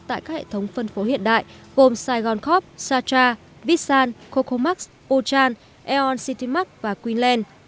tại các hệ thống phân phố hiện đại gồm saigoncorp sartra vitsan cocomax ochan aeon citymax và queenland